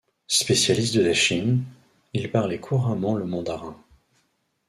Spécialiste de la Chine, il parlait couramment le mandarin.